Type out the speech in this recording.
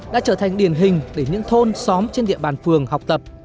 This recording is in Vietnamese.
đã trở thành điển hình để những thôn xóm trên địa bàn phường học tập